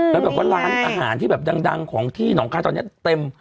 แล้วแบบว่าร้านอาหารที่แบบดังของที่หนองคายตอนนี้เต็ม